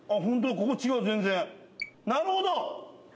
ここ違う全然なるほど！